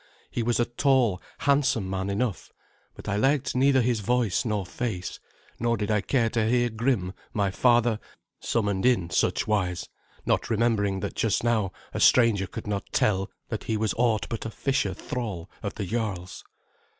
He was a tall, handsome man enough; but I liked neither his voice nor face, nor did I care to hear Grim, my father, summoned in such wise, not remembering that just now a stranger could not tell that he was aught but a fisher thrall of the jarl's.